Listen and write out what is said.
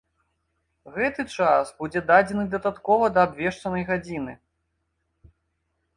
Гэты час будзе дадзены дадаткова да абвешчанай гадзіны.